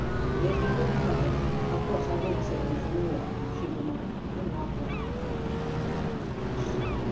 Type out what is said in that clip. "If you couldn't help it, of course I won't say anything more," she remarked, and walked off.